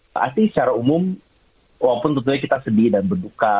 pasti secara umum walaupun tentunya kita sedih dan berduka